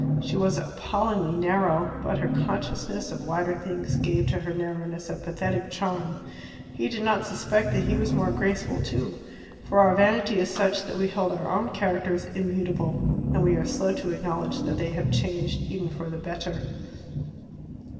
She was appallingly narrow, but her consciousness of wider things gave to her narrowness a pathetic charm. He did not suspect that he was more graceful too. For our vanity is such that we hold our own characters immutable, and we are slow to acknowledge that they have changed, even for the better.